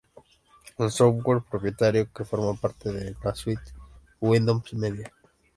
Es software propietario que forma parte de la suite Windows Media.